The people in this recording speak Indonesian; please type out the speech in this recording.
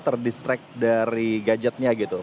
terdistract dari gadgetnya gitu